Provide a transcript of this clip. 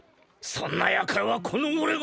そんなやからはこの俺が！